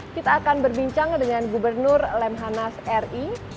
kita akan berbincang dengan gubernur lemhanas ri